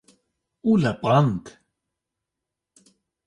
û lepand